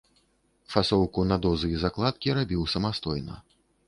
Фасоўку на дозы і закладкі рабіў самастойна.